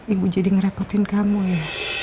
ibu jadi ngerepotin kamu ya